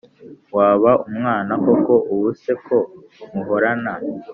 waba umwana koko ubu se ko muhorana